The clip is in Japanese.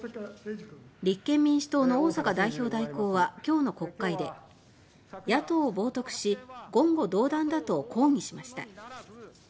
立憲民主党の逢坂代表代行は今日の国会で「野党を冒とくし言語道断だ」と抗議しました。